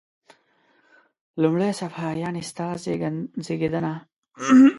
لومړی صفحه: یعنی ستا زیږېدنه.